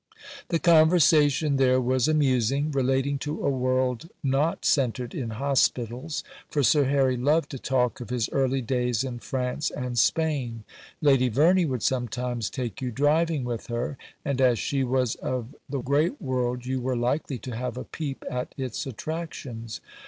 The conversation there was amusing, relating to a world not centred in hospitals, for Sir Harry loved to talk of his early days in France and Spain. Lady Verney would sometimes take you driving with her, and as she was of the great world you were likely to have a peep at its attractions.